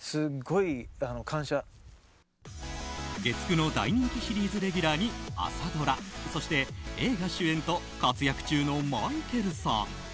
月９の大人気シリーズレギュラーに朝ドラ、そして映画主演と活躍中のマイケルさん。